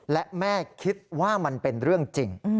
และแม่คิดว่ามันเป็นเรื่องจริง